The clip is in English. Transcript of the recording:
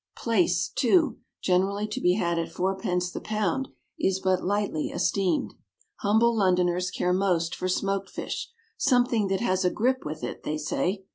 Plaice, too, generally to be had at fourpence the pound, is but lightly esteemed. Humble Londoners care most for smoked fish, "something that has a grip with it," they say.